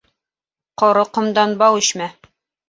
Ҡоро ҡомдан бау ишмә.